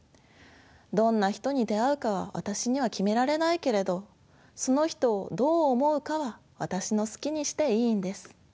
どんな人に出会うかは私には決められないけれどその人をどう思うかは私の好きにしていいんです。